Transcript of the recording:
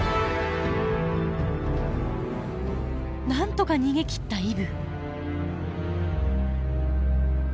なんとか逃げきったイブ。